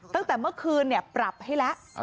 ตั้งแต่เมื่อคืนปรับให้แล้ว